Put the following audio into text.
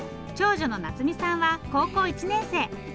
長女の菜摘さんは高校１年生。